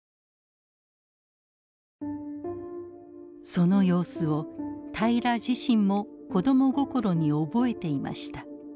その様子を平良自身も子ども心に覚えていました。